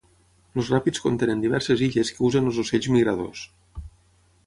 Els ràpids contenen diverses illes que usen els ocells migradors.